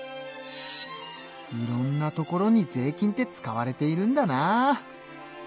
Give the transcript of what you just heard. いろんなところに税金って使われているんだなあ。